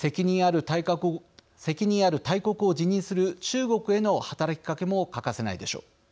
責任ある大国を自任する中国への働きかけも欠かせないでしょう。